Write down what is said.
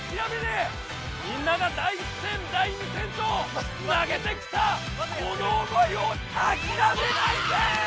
みんなが第１戦第２戦と負けてきたこの思いをあきらめないぜ！